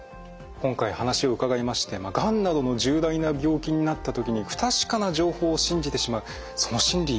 今回話を伺いましてがんなどの重大な病気になった時に不確かな情報を信じてしまうその心理よく分かりました。